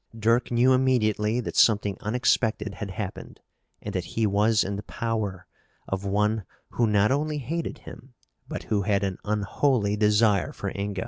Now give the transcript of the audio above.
Dirk knew immediately that something unexpected had happened and that he was in the power of one who not only hated him but who had an unholy desire for Inga.